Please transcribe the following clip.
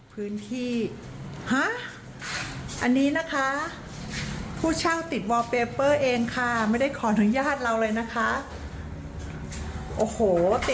คือออกค่ะแล้วก็